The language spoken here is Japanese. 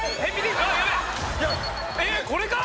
えっこれか！？